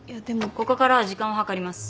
ここからは時間を計ります。